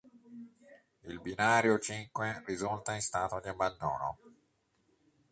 Il binario cinque risulta in stato di abbandono.